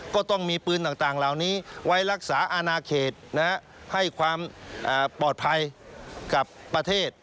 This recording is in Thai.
ก็ต้องมีปืนต่างเหล่านี้ไว้รักษาอนาเขตให้ความปลอดภัยกับประเทศ